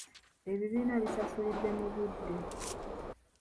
Ebibiina bisasulidde mu budde.